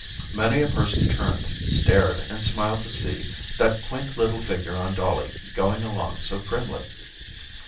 Many a person turned, stared, and smiled to see that quaint little figure on Dollie going along so primly.